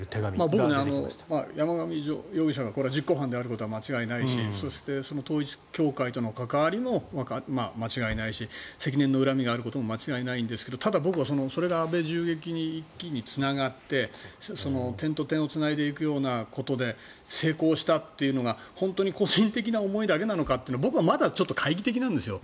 僕、山上容疑者が実行犯であることは間違いないしそしてその統一教会との関わりも間違いないし積年の恨みがあることも間違いないんですがただ、僕はそれが安倍銃撃に一気につながって点と点をつないでいくようなことで成功したというのが本当に個人的な思いだけなのかっていうのは僕はまだちょっと懐疑的なんですよ。